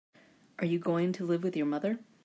Are you going to live with your mother?